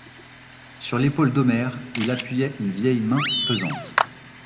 Sur l'épaule d'Omer, il appuyait une vieille main pesante.